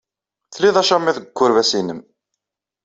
Tlid acamiḍ deg ukerbas-nnem.